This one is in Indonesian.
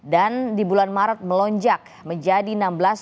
dan di bulan maret melonjak menjadi rp enam belas empat ratus lima puluh per kilogram